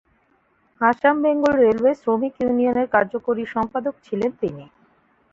Assam Bengal railway শ্রমিক ইউনিয়নের কার্যকরী সম্পাদক ছিলেন তিনি।